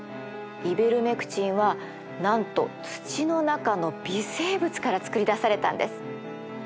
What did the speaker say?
イベルメクチンはなんと土の中の微生物から作り出されたんです。